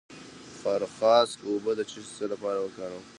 د خارخاسک اوبه د څه لپاره وڅښم؟